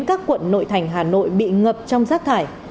các quận nội thành hà nội bị ngập trong rác thải